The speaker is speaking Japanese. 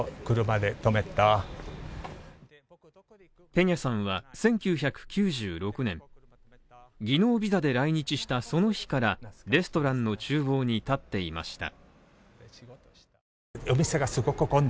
ペニャさんは１９９６年、技能ビザで来日したその日から、レストランの厨房に立っていました。